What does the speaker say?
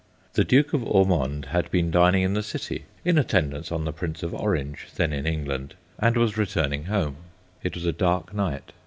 The Duke of Ormonde had been dining 24 THE GHOSTS OF PICCADILLY in the City, in attendance on the Prince of Orange, then in England, and was returning home. It was a dark night.